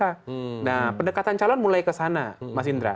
nah pendekatan calon mulai kesana mas indra